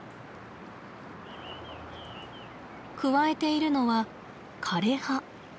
くわえているのは枯れ葉。